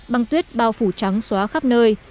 băng tuyết bao phủ trắng xóa khắp nơi